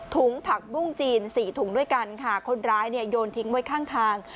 ถุงผักมุ่งจีน๔ถุงด้วยกันค่ะคนร้ายโยนทิ้งไว้ข้าง